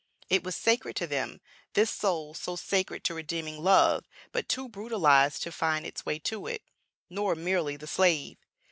It was sacred to them, this soul so sacred to redeeming love, but too brutalized to find its way to it. Nor merely the slave.